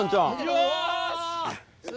よし！